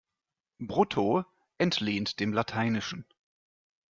Brutto entlehnt dem Lateinischen.